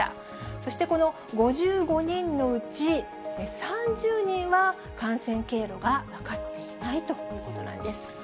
そして、この５５人のうち、３０人は感染経路が分かっていないということなんです。